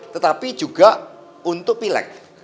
tetapi juga untuk pileg